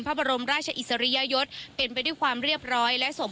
พระบรมราชอิสริยยศเป็นไปด้วยความเรียบร้อยและสม